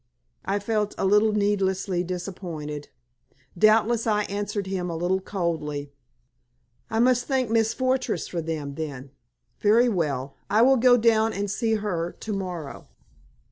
I felt a little needlessly disappointed. Doubtless I answered him a little coldly. "I must thank Mrs. Fortress for them, then! Very well; I will go down and see her to morrow."